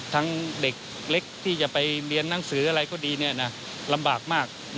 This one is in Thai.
ทั้งเด็กเล็กที่จะไปเรียนหนังสืออะไรก็ดีลำบากมาก